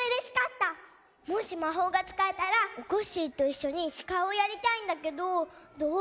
もしまほうがつかえたらおこっしぃといっしょにしかいをやりたいんだけどどう？